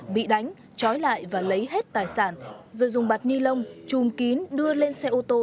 bị đánh trói lại và lấy hết tài sản rồi dùng bạt ni lông chùm kín đưa lên xe ô tô